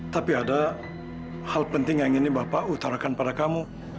tapi ada hal penting yang ingin bapak utarakan pada kamu